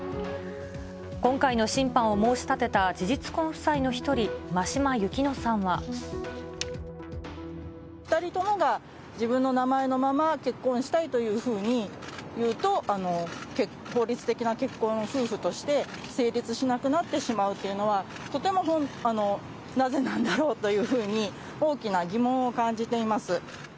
今回の審判を申し立てた事実婚夫妻の一人、２人ともが自分の名前のまま結婚したいというふうにいうと、法律的な夫婦として成立しなくなってしまうというのは、とてもなぜなんだろうというふうに、大きな疑問を感じています。